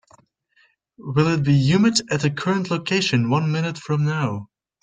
Will it be humid at the current location one minute from now?